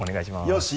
よし！